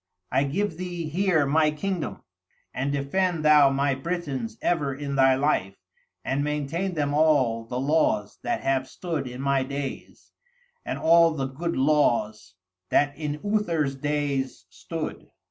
I give thee here my kingdom, and defend thou my Britons ever in thy life, and maintain them all the laws that have stood in my days, and all the good laws that in Uther's days stood.